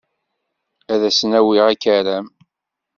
Ad asen-awiɣ akaram.